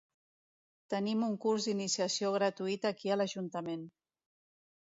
Tenim un curs d'iniciació gratuït aquí a l'ajuntament.